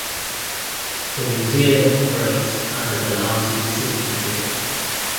The museum operates under the Lahti City Museum.